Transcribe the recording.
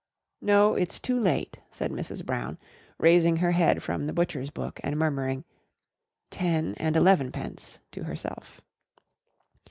"No, it's too late," said Mrs. Brown, raising her head from the butcher's book and murmuring "ten and elevenpence" to herself.